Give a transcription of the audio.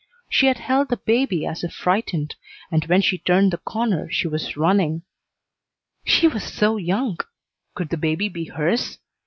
She had held the baby as if frightened, and when she turned the corner she was running. She was so young. Could the baby be hers?